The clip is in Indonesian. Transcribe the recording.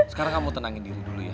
sekarang kamu tenangin diri dulu ya